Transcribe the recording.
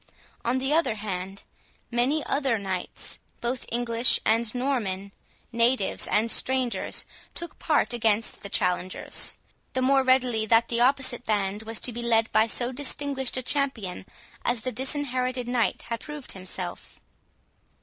On the other hand, many other knights, both English and Norman, natives and strangers, took part against the challengers, the more readily that the opposite band was to be led by so distinguished a champion as the Disinherited Knight had approved himself.